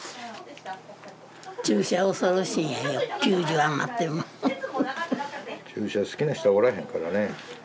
注射好きな人はおらへんからね。